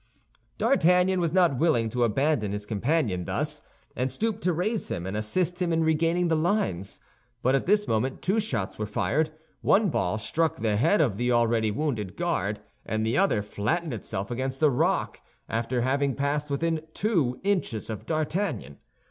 D'Artagnan was not willing to abandon his companion thus, and stooped to raise him and assist him in regaining the lines; but at this moment two shots were fired. One ball struck the head of the already wounded guard, and the other flattened itself against a rock, after having passed within two inches of D'Artagnan.